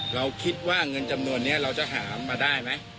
เราคิดว่าเงินจำนวนนี้เราจะหามาได้ไหม